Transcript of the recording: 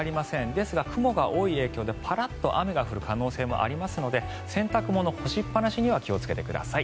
ですが、雲が多い影響でパラッと雨が降る可能性もありますので洗濯物、干しっぱなしには気をつけてください。